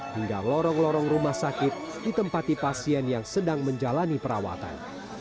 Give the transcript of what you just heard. hingga lorong lorong rumah sakit ditempati pasien yang sedang menjalani perawatan